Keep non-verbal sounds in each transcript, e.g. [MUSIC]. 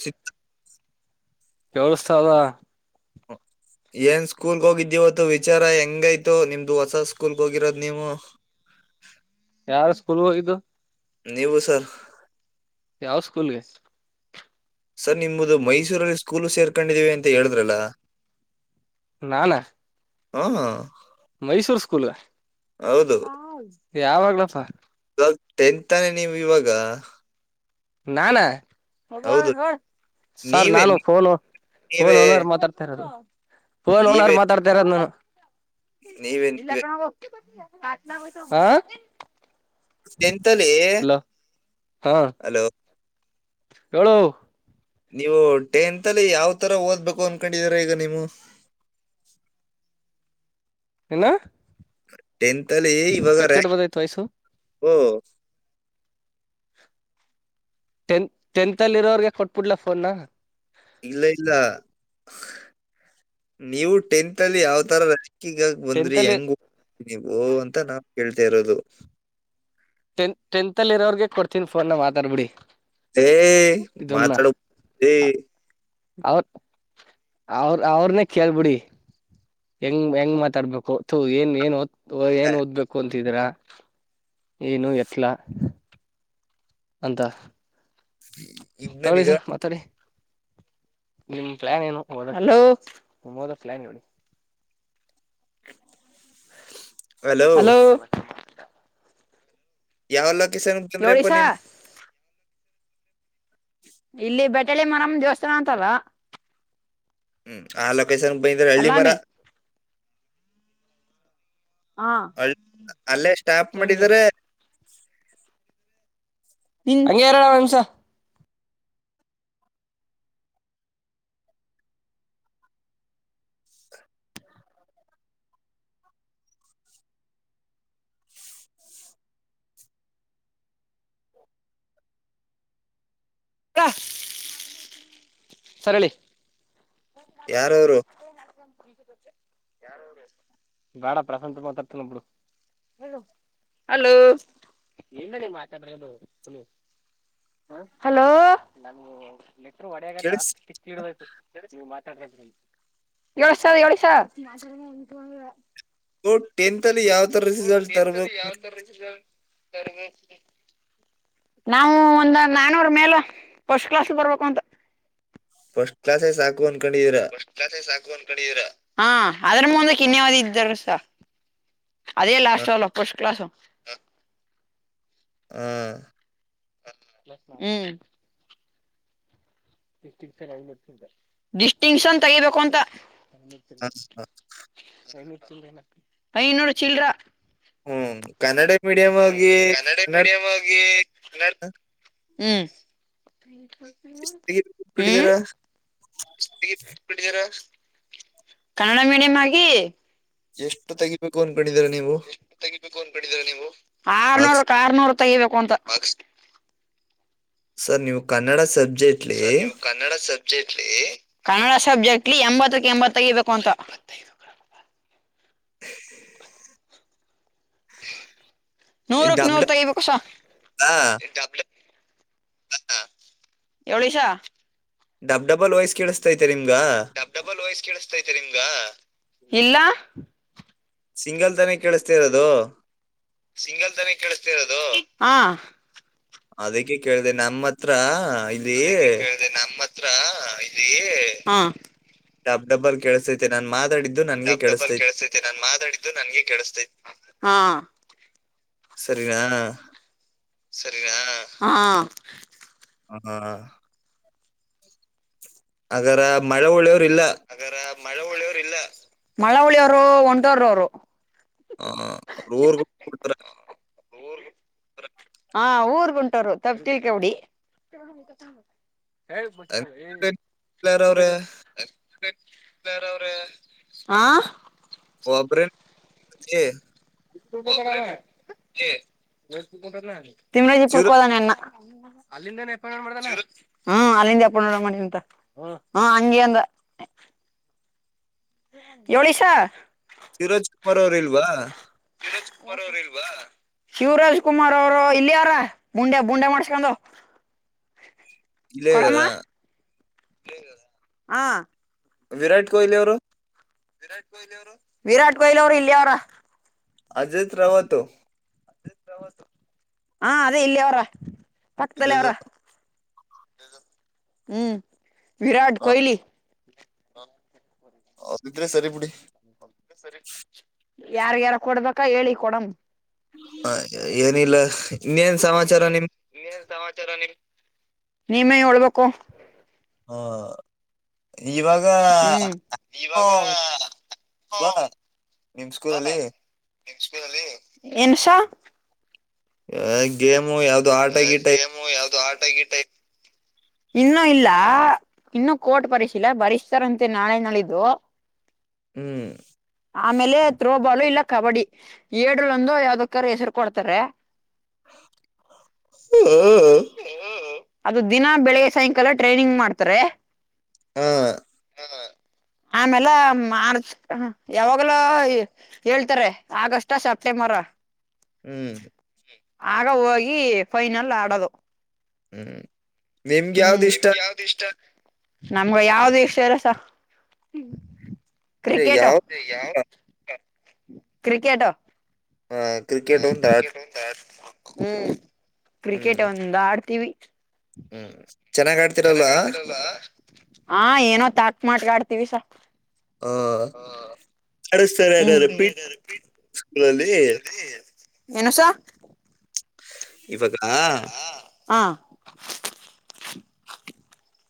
ಶ ಕೆಳಸ್ತದ ಏನ್ ಸ್ಕೂಲ್ ಹೋಗಿದ್ದೀವತ್ತು ವಿಚಾರ ಹೆಂಗಯ್ತು ನಿಮ್ದು ಹೊಸ ಸ್ಕೂಲ್ಗೆ ಹೋಗಿರೋದ್ ನೀವು ಯಾರ ಸ್ಕೂಲ್ ಹೋಗಿದ್ದು ನೀವು ಸರ್ ಯಾವ ಸ್ಕೂಲ್ಗೆ ಸರ್ ನಿಮ್ಮದು ಮೈಸೂರಲ್ಲಿ ಸ್ಕೂಲು ಸೇರ್ಕೊಂಡಿದ್ದೀವಿ ಅಂತ ಹೇಳಿದ್ರಲ್ಲ ನಾನ ಹಾ ಮೈಸೂರ್ ಸ್ಕೂಲ್ ಹೌದು ಯಾವಾಗ್ಲೆ ಸ ಟೆಂತಾನೆ ನೀವು ಇವಾಗ ನಾನ ಸರ್ ನಾನು ಫೋನ್ ಫೋನ್ ಓನರ್ ಮಾತಾಡ್ತ ಇರೋದು ಫೋನ್ ಓನರ್ ಮಾತಾಡ್ತ ಇರೋದ ನು ಇಲ್ಲಾಕ ಹ ಕಾತ್ಲ ಎಂತಲ್ಲಿ ಅಲೋ ಎಳು ನೀವು ಟೆಂತ್ ಅಲ್ಲಿ ಯಾವ್ ತರ ಓದ್ಬೇಕು ಅನ್ಕೊಂಡಿದೀರ ಈಗ ನೀವು [UNINTELLIGIBLE] ಎಲ್ಲ ಟೆಂತ್ ಅಲ್ಲಿ ಇವಾಗ ರ ಓ ಟತ್ ಟೆಂತ್ ಅಲ್ಲಿ ಇರೋರ್ಗೆ ಕೊಟ್ಬಿಡ್ಲ ಫೋನ್ ಇಲ್ಲ ಇಲ್ಲ ನೀವು ಟೆಂತ್ ಅಲ್ಲಿ ಯಾವ್ತರ ರ್ಯಾಂಕಿಗಾಗ ಬಂದ್ರಿ ಹೆಂಗ ನೀವು ಅಂತ ನಾ ಕೇಳ್ತಾ ಇರೋದು ಟತ್ ಟೆಂತ್ ಅ ಇರೋರ್ಗೆ ಕೊಡ್ತೀನಿ ಫೋನ್ನ ಮಾತಾಡ್ಬಿಡಿ ಹ ಮಾತಡ [UNINTELLIGIBLE] ಅವ್ರ ಅವ್ರ ಅವ್ರನೆ ಕೇಳ್ಬಿಡಿ ಹೆಂಗ್ ಹೆಂಗ್ ಮಾತಾಡ್ಬೇಕು ಏನ್ ಏನು ಏನ್ ಓದ್ಬೇಕು ಅಂತಿದರ ಏನು ಎತ್ಲ ಅಂತ ತಗೊಳ್ಳಿ ಸರ್ ಮಾತಾಡಿ ನಿಮ ಪ್ಲಾನ್ ಏನು ಓದ ಪ್ಲಾನ್ ನೋಡಿ [INAUDIBLE] ಹಲೋ ಯಾವ ಲೊಕೇಶನ್ ಬಂದ್ರೆಪ್ಪ ನಿಮ್ ಇಲ್ಲಿ ಬೆಟಳಿ ಮರಮ ದೇವಸ್ಥಾನ ಅಂತಲ್ಲ ಹ್ಮ್ ಆ ಲೊಕೇಶನ್ ಬೈಂದ್ರೆ ಹಳ್ಳಿ ಮರ ಅ ಅಲ್ಲೇ ಸ್ಟಾಪ್ ಮಾಡಿದರೆ ನಿಗೆ ಎರಳ ನಿಮಸ ಕ್ಕಾ ಸರಿ ಹೇಳಿ ಬಾಳ ಪ್ರಶಾಂತ ಮಾತಾಡ್ತನಬ್ರು ಹಲೋ ಮಾತಾಡ್ರದು ಹ ಹಲೋ ನ ಲೆಟರು ಒಡೆಯಾಗಟ ಕಿಿ ಹಡಯ್ತು ಏಳು ಸಾವಿರ ಏಳು ಸಾವಿ ಸ ಟೆಂತ್ ಅಲ್ಲಿ ಯಾವ್ದ ಹ ನಿಲ್ಂತಲ್ಲಿ ಯಾವ್ ತರ ನಾವು ಒಂದ ನಾನವ್ರ ಮೇಲೆ ಫಸ್ಟ್ ಕ್ಲಾಸ್ ಬರ್ಬೇಕು ಅಂತ ಫಸ್ಟ್ ಕ್ಲಾಸ್ ಸಾಕು ಹ ಅದ್ರ ಮುಂದ ಕಿನ್ಯಾವಧಿ ಇದ್ದಾರಸ ಅದೇ ಲಾಸ್ ಅವಲ್ಲ ಸ್ಟ್ ಕ್ಲಾಸ್ ಹ ಹ್ಮ್ ಡಿಸ್ಟಿಂಕ್ಷನ್ ತಗಿಬೇಕು ಅಂತ ಹ್ಮ ಹ್ಮ ಐನೂರು ಚಿಲ್ರ. ಹ್ಮ ಹ್ಮ್ ಕನ್ನಡ ಮೀಡಿಯಂ ಆಗಿ ಹ್ಮ ಹೂ ಹೂ ಸ್ಪೀಡ್ ಬಿಡ್ಬಿಟ್ಟಿದರೆ ಕನ್ನಡ ಮೀಡಿಯಂ್ ಆಗಿ ಎಷ್ಟು ತೆಗಿಬೇಕು ಅ ಎ ಆರ್ನೂರು ಆರ್ನೂರು ತೆಗಿಬೇಕು ಅಂತ ಸರ್ ನೀವು ಕನ್ನಡ ಸ ಸರ್ ನೀವು ಕನ್ನಡ ಸ ಕನ್ನಡ ಸಬ್ಜೆಕ್ಟ್ಲಿ ಎಂಬತ್ತಕ್ಕೆ ಎಂಬತ್ತತ್ತು ತಗಿ ಬೇಕು ಅಂತ ನೂರಕ್ಕೆ ನೂರ್ ತಗಿಬೇಕು ಸ ಎವಳಿಷ ಡಬ್ ಡಬಲ್ ವಯ್ಸ್ ಕೇಳಿಸತೈತೆ ನಿಮ್ಗೆ ನಿಮ್ಗ ಇಲ್ಲ ಸಿಂಗಲ್ ತಾನೇ ಕೇಳಿಸ್ತ ಇರೋದು ಸಿಂಗಲ್ ತನ ಕೆೇಳಸ್ತಿ ಇರೋದು ಹ ಅದಕ್ಕೆ ಕೇಳಿದೆ ನಮ್ಮ ಹತ್ರ ಅದಕ್ಕೆ ಕೇಳಿದೆ ನಮ್ಮ ಹತ್ರ ಇಲ್ಲಿ ಬ್ ಡಬರ್ ಕೇಳಸೈತೆ ನನ್ ಮಾತಾಡಿ ಡಬ್ ಡಬಲ್ ಕೆೇಸ್ತೈತೆ ನಾನ್ ಮಾತಾಡಿದ್ದು ನನ್ಗೆ ಕೆೇಳಿಸತೈತಿ ಸರಿನಾ ಸರೀನಾ ಹಹೂ ಹೂ ಅಗರ ಮಳೆ ಒಳ್ಳೆಯ ಮಳಲ್ಲ ಮಳೆ ಹಳಿಯವರು ಒಂಟೋರ ಅವರು ಹ ಊರಿಗೆ ಊರಿಗೆ ಹಾ ಊರ್ಗ ಉಂಟರು ತಪ್ಪು ತಿಳ್ಕೊಬೇಡಿ ಹೇಳ ಬಸ ಏ ಬೇರ ಅವ್ರೆ ಹ ಒಬ್ಬರೇ ತಿಂಗಳ ಪುರ್ಕೋದಾನೆನ್ನ ಹೂ ಅಲ್ಲಿಂದ ಎಪ್ಪ ನೋಡ ಮಾಡಿ ಅಂತ ಹ ಹಂಗೆ ಅಂದ ಯ್ ಯೋಲಿಷಾ ಹೊರವ್ರ ಇಲ್ವಾ ಶಿವರಾಜ್ ಕುಮಾರ್ ಅವರು ಇಲ್ಲಿ ಯಾರ ಬುಂಡೆ ಬುಂಡೆ ಮಾಡಸ್ಕೊಂಡು ಇಲ್ಲೇ ಇದರ ಹಾ ವಿರಾಟ್ ಕೊಹ್ಲಿ ಅವರು ವಿರಾಟ್ ಕೊಹ್ಲಿ ಅವರು ವಿರಾಟ್ ಕೊಹ್ಲಿ ಅವ್ರು ಇಲ್ಲಿ ಅವರ ಅಜ ರಾವತೋ ಹಾ ಅದೇ ಇಲ್ಲಿ ಅವರ ಪಕ್ಕದಲ್ಲಿ ಅವರ ಹೂ ವಿರಾಟ್ ಕೊಹ್ಲಿ ಆಗಿದ್ರೆ ಸರಿ ಬಿುಡಿ ಅಕ್ಕ ಹೇಳಿ ಕೊಡಂ ಹ ಏನಿಲ್ಲ ಇದನಿಲ್ಲ ನೀೇನ್ ಸಮಾಚಾರ ನೀ ನೀಮೇ ಹಳ್ಬೇಕು ಹಾ ಇವಾಗ ಅವಾ ನಿಮ್ ಸ್ಕೂಲಲ್ಲಿ ಏನ್ ಸಾ ಆ ಗೇಮು ಯಾವ್ದು ಆಟಗೀಟ ಇನ್ನೂ ಇಲ್ಲ ಇನ್ನು ಕೋರ್ಟ್ ಪರಿಶೀಲ ಬರಿಸ್ತಾರಂತೆ ನಾಳೆ ನಳಿದ್ದು. ಹ್ಮ್. ಆಮೇಲೆ ಥ್ರೋಬಾಲು ಇಲ್ಲ ಕಬಡ್ಡಿ ಏಡ್ ರಲ್ಲಿ ಒಂದು ಯಾವ್ದಕರೆ ಹೆಸರ ಕೊಡ್ತಾರೆ. [UNINTELLIGIBLE] ಅದು ದಿನ ಬೆಳಿಗ್ಗೆ ಸಾಯಂಕಾಲ ಟ್ರೈನಿಂಗ್ ಮಾಡ್ತಾರೆ. ಹ. ಹ. ಆಮೇಲೆ ಮಾರ್ಚ್ ಯಾವಾಗಲೂ ಹೇಳ್ತಾರೆ ಆಗಸ್ಟ್ ಟೊ ಸೆಪ್ಟೆಂಬರ ರೊ. [UNINTELLIGIBLE] ಹ್ಮ್. ಆಗ ಹೋಗಿ ಫೈನಲ್ ಆಡೋದು. ಹ್ಮ್ ನಿಮ್ಗೆ ಯಾವ್ದ್ ಇಷ್ಟ. ನಮ್ಗ ಯಾವ್ದು ವಿಷ್ಟ ಇಲ್ಲಾ ಸ. ಕ್ರಿಕೆಟೋ [UNINTELLIGIBLE] ಕ್ರಿಕೆಟೋ. ಹ ಕ್ರಿಕೆಟ್ ಒಂದ ಆಡ ಹ್ಮ್ ಕ್ರಿಕೆಟ್ ಒಂದ ಆಡ್ತೀವಿ. ಹ್ಮ್ ಚೆನ್ನಾಗಿ ಆಡ್ತಿರಲ್ಲ. ಹಾ ಏನೋ ತಾಕ್ ಮಾಡಟ್ಗಾಡ್ತೀವಿ ಸ. ಹಾ ನಡೆಸ್ತಾರೆ ಹಾಗ ಆದರೆ ಪೀಟ್ ಸ್ಕೂಲಲ್ಲಿ. ಏನು ಸ. ಇವಾಗನಾ. [INAUDIBLE]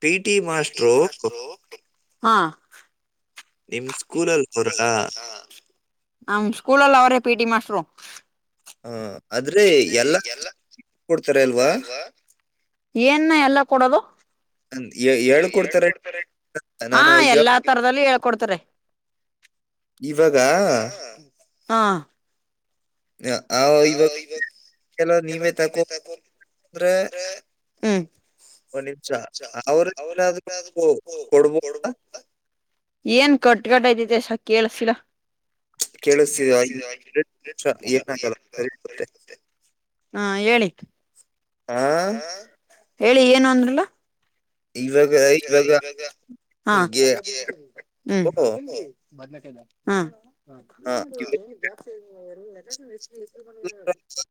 ಪಿ ಟಿ ಮಾಸ್ಟರ್ ರು. ಹಾ. ನಮ್ಮ ಸ್ಕೂಲಲ್ಲಿ ಅವರೇ. ಪಿ ಟಿ ಮಾಸ್ಟರ್ ರು. ಹಾ ಆದ್ರೆ ಎಲ್ಲಾ ಕೊಡ್ತಾರೆ ಅಲ್ವಾ. ಏನ್ ನ ಎಲ್ಲ ಕೊಡೋದು. ಹೇಳಿಕೊಡುತ್ತಾರೆ ಹಾ ಎಲ್ಲಾ ತರದದಲ್ಲಿ ಹೇಳ್ಕೊಡ್ತಾರೆ. ಇವಾಗ. ಹಾ. ಹ ಆ ಇವಾಗ. ಕೆಲ ನೀವೇ ತಕೋ. [UNINTELLIGIBLE] ಒಂದ ನಿಮಿಷ ಅವ್ರ ಏನಾದ್ರು ಕೊಡಬಹುದ. ಏನ್ ಕಟ್ ಕಟ್ ಆಯುತಿದೆ ಸರ್ ಕೇಳಿಸತ್ತಿಲ್ಲ. ಕೇಳಿಸ್ತಿದೀಯಾ. [UNINTELLIGIBLE] ಹಾ ಹೇಳಿ. ಆ. ಹೇಳಿ ಏನು ಅಂದ್ರಲ್ಲ. ಇವಾಗ ಇವಾಗ ಹ [UNINTELLIGIBLE] ಹ್ಮ. ಬದ್ನಕಾಯ ಹ. [UNINTELLIGIBLE] ಹ. [UNINTELLIGIBLE]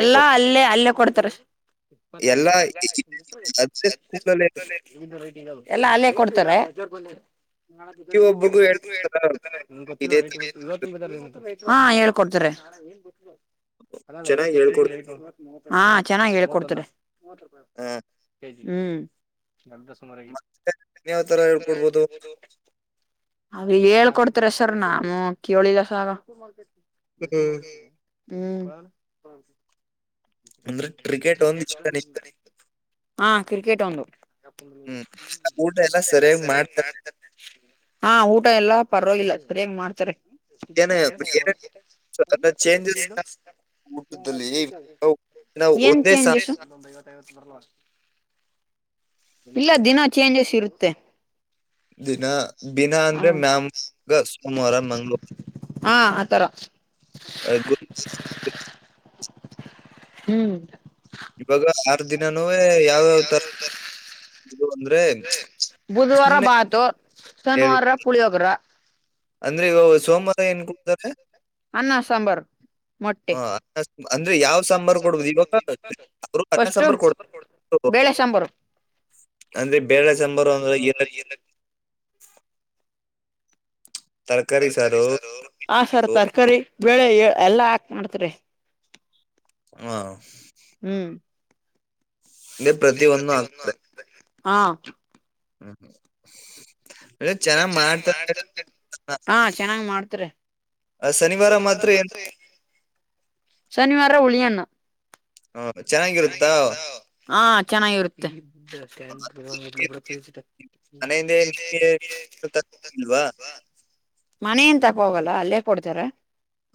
ಎಲ್ಲ ಅಲ್ಲೇ ಅಲ್ಲೇ ಕೋಡ್. ಇಪ್ಪ ರಟಂಗ್ದು [UNINTELLIGIBLE] ಎಲ್ಲಾ ಅಲ್ಲೇ ಕೊಡ್ತಾರೆ. ನಾ ಗೊತ್ತರ ಇವ. [UNINTELLIGIBLE] ಹಾ ಹೇಳಿ ಕೊಡ್ತಾರೆ. [UNINTELLIGIBLE] ಹಾ ಚೆನ್ನಾಗಿ ಹೇಳ್ ಕೊಡ್ತಾರೆ ಹ್ಮ್. ನಂದ ಸುಮಾರಾಗಿತಿ ಇನ್ನ ಯಾವ ತರ ಹಳ್ಕೊಡ್ಬೋದು. ಅವರ ಹೇಳ್ಕೊಡ್ತಾರೆ ಸರ್ ನಾವು ಕೇಳಿಲ್ಲ ಸಾರ್. ಹ್ಮ್. ಅಂದ್ರೆ ಕ್ರಿಕೆಟ್ ಒಂದ್ ಇಷ್ಟ ನಿಂಗ. ಹಾ ಕ್ರಿಕೆಟ್ ಒಂದು ಊ ಎ ಸರಿಯಾಗ್ ಮಾಡ್ತರ ಹ ಊಟ ಎಲ್ಲ ಪರವಾಗಿಲ್ಲ ತರಿಯಾಗ ಮಾಡ್ತಾರೆ ಏನ ಸಾಕದ ಚೇಂಜೆಸ್ ಊಟದಲ್ಲಿ ಹ [UNINTELLIGIBLE] ಏನ್ ಚೇಂಜಸ್ ಇಲ್ಲ ದಿನ ಚೇಂಜಸ್ ಇರುತ್ತೆ ದಿನಾ ದಿನಾ ಅಂದ್ರೆ ಮ್ಯಾಮ ಸೋಮವಾರ ಮಂಗಳವಾ ಹಾ ಆ ತರ ಗು ಹ್ಮ್ ಇವಾಗ ಆರ್ ದಿನನುವೆ ಯಾವ್ ಯಾವ್ ತರ ಬುಧವಾರ ಬಾತು ಶನಿವಾರ ಪುಳಿಯೋಗ್ರೆ ಅಂದ್ರೆ ಇವಾಗ ಸೋಮವಾರ ಏನ್ ಕುಪ್ತಾರೆ ಅನ್ನ ಸಾಂಬಾರ್ ಮೊಟ್ಟೆ [UNINTELLIGIBLE] ಫಸ್ಟ್ ಬೇಳೆ ಸಾಂಬರು ಅಂದ್ರೆ ಬೇಳೆ ಸಾಂಬರ ಅಂದ್ರೆ ಏನತಿ ತರಕಾರಿ ಸಾರು ಹಾ ಸರ್ ತರಕಾರಿ ಬೇಳೆ ಎಲ್ಲಾ ಹಾಕ್ ಮಾಡ್ತರೆ ಹಾ ಇ ಪ್ರತಿ ಒಂದು ಆಗ್ತಾರೆ ಹಾ ಹ್ಮ್ ಹ್ಮ್ ಚೆನ್ನಾಗ್ ಮಾಡ್ತಾರೆ [UNINTELLIGIBLE] ರ ಶನಿಗಾರ ಮಾತ್ರ ಶನಿವಾರ ಹುಳಿಯನ್ನ ಹ ಅಪ್ ಚೆನ್ನಾಗಿರುತ್ತಾ ಹಾ ಚೆನ್ನಾಗಿರುತ್ತೆ [UNINTELLIGIBLE] ವಾ ಮನೆ ತಪ್ಪೋಗಲ್ಲ ಅಲ್ಲೇ ಕೊಡ್ತಾರೆ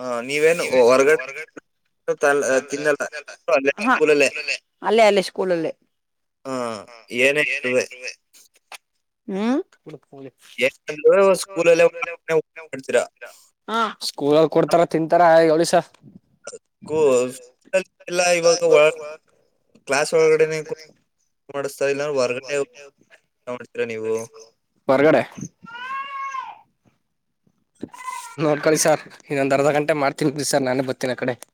ಹ ನೀವೇನ್ ಹೊರಗಡೆ [UNINTELLIGIBLE] ಹ ಅಲ್ಲೇ ಅಲ್ಲೇ ಸ್ಕೂಲ ಅಲ್ಲೇ ಹಾ ಏನೇರುವೆ [UNINTELLIGIBLE] ಹ್ಮ್ ಎಾದೂ ಸ್ಕೂಲಲ್ಲಡ್ತೀರಾ [UNINTELLIGIBLE] ಹ ಸ್ಕೂಲಲ್ಲಿ ಕೊಡ್ತಾರ ತಿಂತಾರ ಯೋ ಅಕ್ಕೂ ಎಲ್ಲ ಇವಾಗ ಒ [UNINTELLIGIBLE] ಕ್ಲಾಸ್ ಒಳಗಡೆನೆ [UNINTELLIGIBLE] ಹೊರಗಡೆ [UNINTELLIGIBLE] ನೋಡ್ಕೊಳ್ಳಿ ಸರ್ ಇನ್ನೊಂದು ಅರ್ಧ ಗಂಟೆ ಮಾಡ್ತೀನಿ ಬಿಡಿ ಸರ್ ನಾನೇ ಬತ್ತೀನಿ ಆ ಕಡೆ [INAUDIBLE]